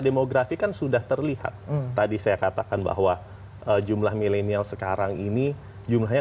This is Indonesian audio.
demografi kan sudah terlihat tadi saya katakan bahwa jumlah milenial sekarang ini jumlahnya